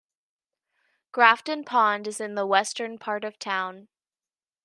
Grafton Pond is in the western part of town.